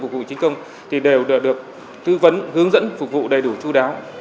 phục vụ chính công đều được thư vấn hướng dẫn phục vụ đầy đủ chú đáo